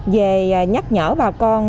về nhắc nhở bà con